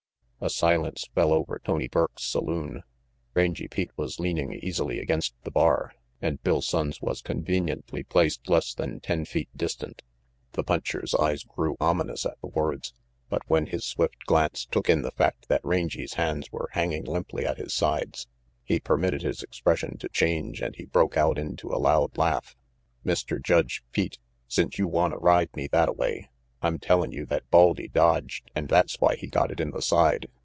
A silence fell over Tony Burke's saloon. Rangy Pete was leaning easily against the bar, and Bill Sonnes was conveniently placed less than ten feet distant. The puncher's eyes grew ominous at the words, but when his swift glance took in the fact that Rangy's hands were hanging limply at his sides, he permitted his expression to change and he broke out into a lolid laugh. "Mr. Judge Pete, since you wanta ride me thatta way, I'm tellin' you that Baldy dodged and that's why he got it in the side.